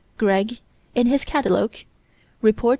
Greg, in his catalogue (_Rept.